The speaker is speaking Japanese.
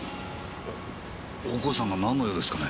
大河内さんがなんの用ですかね？